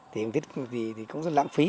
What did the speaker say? thì em biết thì cũng rất lãng phí